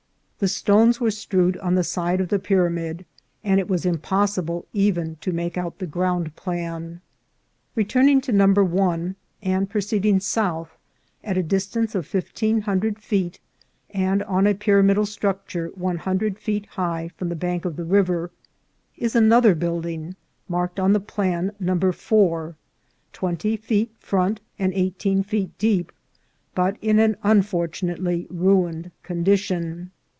The stones were strewed on the side of the pyramid, and it was impossible even to make out the ground plan. Returning to No. 1 and proceeding south, at a dis tance of fifteen hundred feet, and on a pyramidal struc ture one hundred feet high from the bank of the river, is another building, marked on the plan No. 4, twenty feet front and eighteen feet deep, but in an unfortunate ly ruined condition.